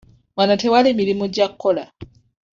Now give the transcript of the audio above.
Wano tewali mirimu gya kukola.